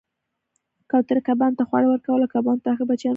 کوترې کبانو ته خواړه ورکول او کبانو د هغې بچیان وژغورل